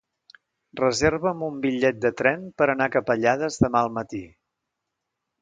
Reserva'm un bitllet de tren per anar a Capellades demà al matí.